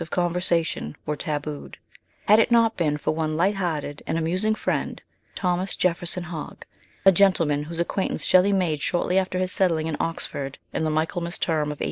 of conversation were tabooed, had it not been for one light hearted and amusing friend, Thomas Jefferson Hogg, a gentleman whose acquaintance Shelley made shortly after his settling in Oxford in the Michaelmas term of 1810.